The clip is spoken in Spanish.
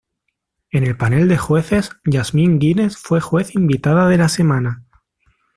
En el panel de jueces, Jasmine Guinness fue juez invitada de la semana.